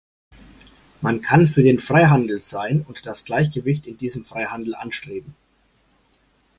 Man kann für den Freihandel sein und das Gleichgewicht in diesem Freihandel anstreben.